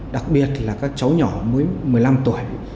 đặc biệt là các cháu nhỏ mới một mươi năm tuổi